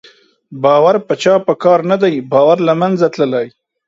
باور په چا په کار نه دی، باور له منځه تللی